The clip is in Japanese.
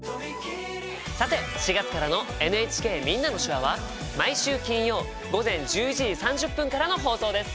さて４月からの「ＮＨＫみんなの手話」は毎週金曜午前１１時３０分からの放送です。